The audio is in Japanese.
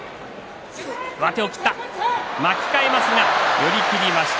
寄り切りました。